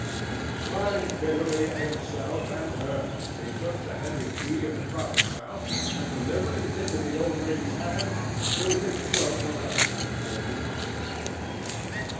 Smiling bitterly at himself and her, he took the heavy key of the province house, and, delivering it into the old lady's hands, drew his cloak around him for departure.